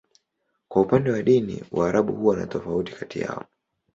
Kwa upande wa dini, Waarabu huwa na tofauti kati yao.